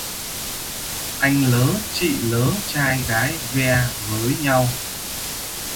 Anh nớ chị nớ trai gái ve với nhau